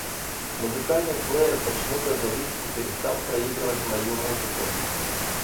Музыкальный плеер почему-то завис и перестал проигрывать мою музыку.